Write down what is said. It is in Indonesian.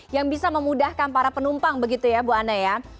yang bisa memudahkan para penumpang begitu ya bu anne ya